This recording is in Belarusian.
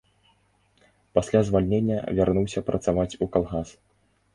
Пасля звальнення вярнуўся працаваць у калгас.